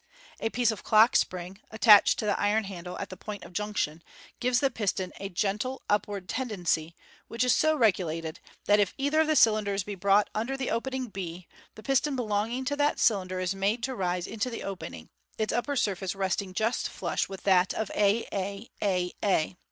A piece of clock spring, attached to the iron handle at the point of junction, gives the piston a gentle upward tendency, which is so regulated, that if eiib<er of the cylinders be brought under the opening b, the piston belonging to that cylinder is made to rise into 444 MODERN MAGIC. the opening, its upper surface resting just flush with that of a a a a.